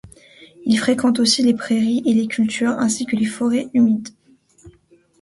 Il fréquente aussi les prairies et les cultures ainsi que les forêts humides.